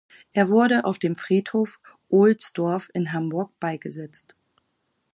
Er wurde auf dem Friedhof Ohlsdorf in Hamburg beigesetzt.